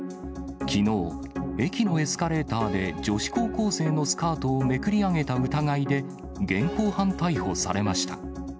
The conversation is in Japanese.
きのう、駅のエスカレーターで女子高校生のスカートをめくり上げた疑いで現行犯逮捕されました。